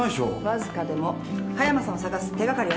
わずかでも葉山さんを捜す手がかりができた。